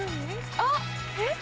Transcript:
あっえっ？